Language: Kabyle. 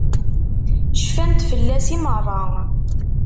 Cfant fell-as i meṛṛa.